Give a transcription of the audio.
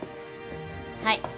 はい。